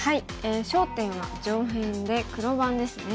焦点は上辺で黒番ですね。